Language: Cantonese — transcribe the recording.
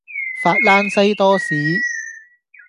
法蘭西多士